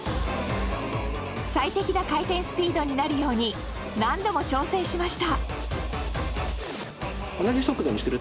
最適な回転スピードになるように何度も調整しました。